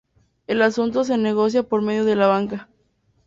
El asunto se negocia por medio de la banca